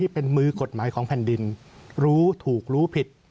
เป็นมือกฎหมายของแผ่นดินรู้ถูกรู้ผิด